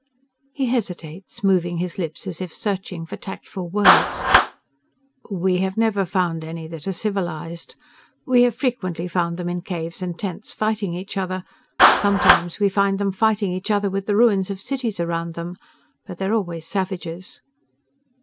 He hesitates, moving his lips as if searching for tactful words. "We have never found any that were civilized. We have frequently found them in caves and tents fighting each other. Sometimes we find them fighting each other with the ruins of cities around them, but they are always savages."